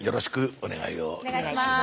お願いします。